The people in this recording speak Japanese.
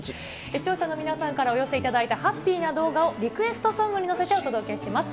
視聴者の皆さんからお寄せいただいたハッピーな動画をリスエストソングに乗せてお届けします。